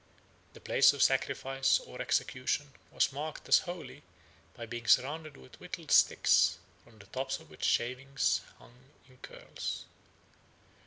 The place of sacrifice or execution was marked as holy by being surrounded with whittled sticks, from the tops of which shavings hung in curls.